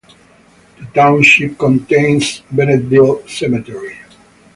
The township contains Bennettville Cemetery.